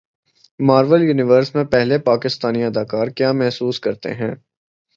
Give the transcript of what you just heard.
marvel universe میں پہلے پاکستانی اداکار کیا محسوس کرتے ہیں